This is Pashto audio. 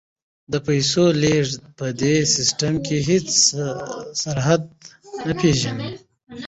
د پیسو لیږد په دې سیستم کې هیڅ سرحد نه پیژني.